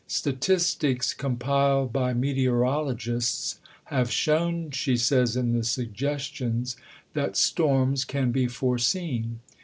Statistics compiled by meteorologists have shown, she says in the Suggestions, that storms can be foreseen.